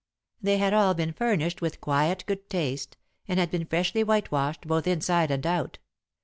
They had all been furnished with quiet good taste, and had been freshly whitewashed, both inside and out.